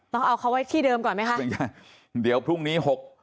ต้องเอาเขาไว้ที่เดิมก่อนไหมคะเดี๋ยวพรุ่งนี้หก